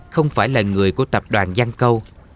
không phải là người của tập đoàn giang câu